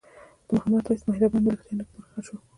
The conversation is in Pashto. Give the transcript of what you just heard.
د محمد وېس مهربان ملګرتیا نیکمرغه شوه.